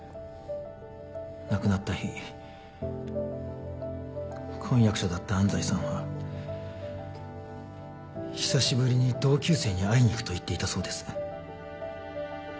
亡くなった日婚約者だった安斎さんは久しぶりに同級生に会いに行くと言っていたそうです。